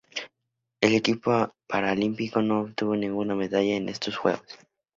El equipo paralímpico no obtuvo ninguna medalla en estos Juegos.